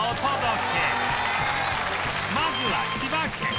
まずは千葉県